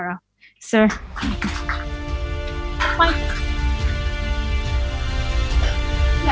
terima kasih banyak banyak